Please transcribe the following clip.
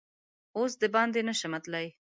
اوس دباندې نه شمه تللا ی